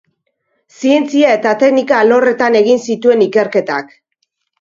Zientzia eta teknika alorretan egin zituen ikerketak.